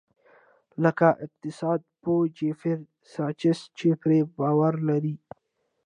لکه اقتصاد پوه جیفري ساچس چې پرې باور لري.